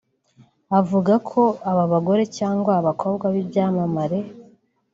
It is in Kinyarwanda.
avuga ko aba bagore cyangwa abakobwa b’ibyamamare